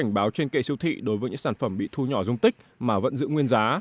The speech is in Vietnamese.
cảnh báo trên kệ siêu thị đối với những sản phẩm bị thu nhỏ dung tích mà vẫn giữ nguyên giá